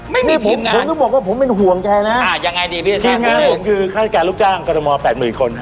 ไม่มีทีมงานผมต้องบอกว่าผมเป็นห่วงแกนะฮะทีมงานผมคือค่าจัดการลูกจ้างกรม๘๐๐๐๐คน